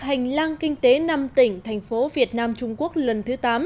hành lang kinh tế năm tỉnh thành phố việt nam trung quốc lần thứ tám